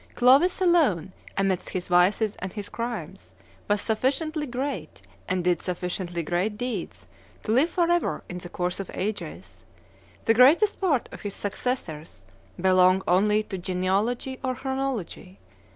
Clovis alone, amidst his vices and his crimes, was sufficiently great and did sufficiently great deeds to live forever in the course of ages; the greatest part of his successors belong only to genealogy or chronology.